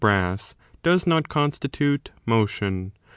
*°'^ bras3, does not. constitute motion.